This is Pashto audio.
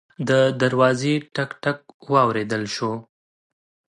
د دروازې ټک ټک واورېدل شو.